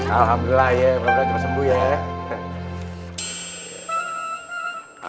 alhamdulillah ya bener bener coba sembuh ya